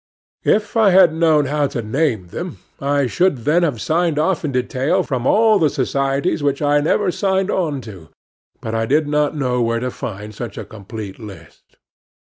If I had known how to name them, I should then have signed off in detail from all the societies which I never signed on to; but I did not know where to find such a complete list.